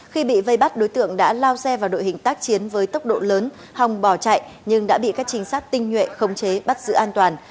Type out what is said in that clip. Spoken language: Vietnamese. khi bị vây bắt đối tượng đã lao xe vào đội hình tác chiến với tốc độ lớn hòng bỏ chạy nhưng đã bị các trinh sát tinh nhuệ khống chế bắt giữ an toàn